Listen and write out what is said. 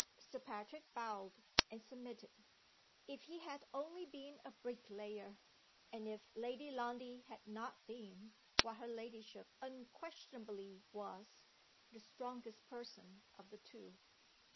Sir Patrick bowed, and submitted. (If he had only been a bricklayer! and if Lady Lundie had not been, what her ladyship unquestionably was, the strongest person of the two!)